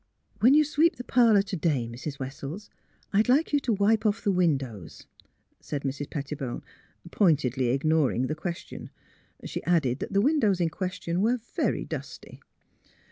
'' When you sweep the parlour to day, Mrs. "Wessels, I'd like you to wipe off the windows," said Mrs. Pettibone, pointedly ignoring the question. She added that the windows in ques tion were very dusty.